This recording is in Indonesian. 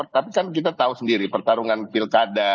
tapi kan kita tahu sendiri pertarungan pilkada